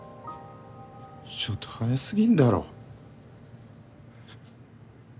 ちょっと早すぎんだろ。